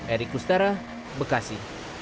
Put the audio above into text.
erik lustara bekasi